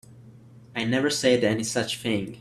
I never said any such thing.